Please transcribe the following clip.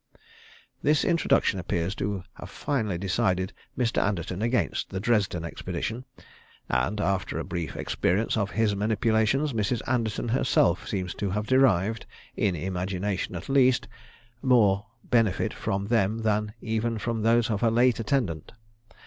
This introduction appears to have finally decided Mr. Anderton against the Dresden expedition; and, after a brief experience of his manipulations, Mrs. Anderton herself seems to have derived, in imagination at least, more benefit from them than even from those of her late attendant.